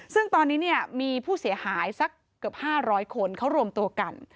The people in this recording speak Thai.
ซึ่งตอนนี้เนี่ยมีผู้เสียหายสักเกือบ๕๐๐คนเขารวมตัวกัน